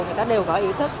người ta đều có ý thức